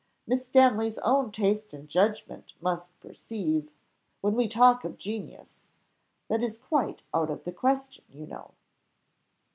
Miss Stanley's own taste and judgment must perceive when we talk of genius that is quite out of the question, you know."